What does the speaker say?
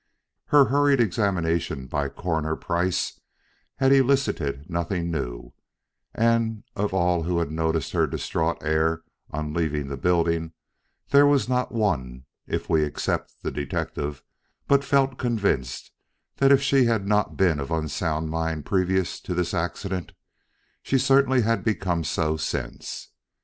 Her hurried examination by Coroner Price had elicited nothing new, and of all who had noticed her distraught air on leaving the building, there was not one, if we except the detective, but felt convinced that if she had not been of unsound mind previous to this accident, she certainly had become so since.